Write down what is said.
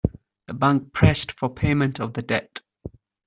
The bank pressed for payment of the debt.